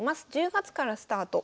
１０月からスタート。